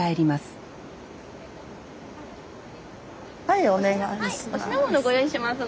はいお願いします。